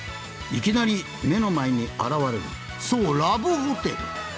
「いきなり目の前に現れるそうラブホテル！」